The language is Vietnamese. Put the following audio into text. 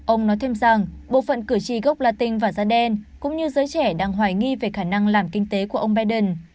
ông nói thêm rằng bộ phận cử tri gốc latin và da đen cũng như giới trẻ đang hoài nghi về khả năng làm kinh tế của ông biden